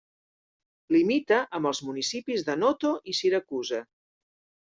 Limita amb els municipis de Noto i Siracusa.